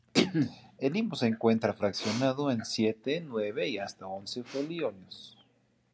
El limbo se encuentra fraccionado en siete, nueve y hasta once folíolos.